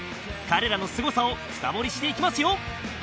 彼らのすごさを深掘りしていきますよ